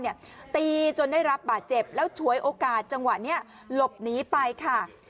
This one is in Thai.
ตีจนได้รับบาดเจ็บแล้วฉวยโอกาสจังหวะนี้หลบหนีไปค่ะ